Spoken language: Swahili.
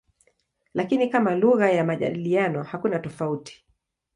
Lakini kama lugha ya majadiliano hakuna tofauti.